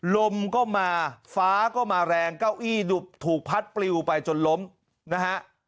ลมก็มาฟ้าก็มาแรงเก้าอี้ถูกพัดปลิวไปจนล้มนะฮะ